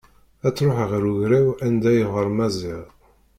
Ad truḥ ɣer ugraw anda yeɣɣar Maziɣ.